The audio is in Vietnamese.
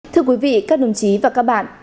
thưa quý vị các đồng chí và các bạn